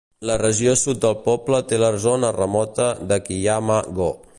La regió sud del poble té la zona remota d"Akiyama-go.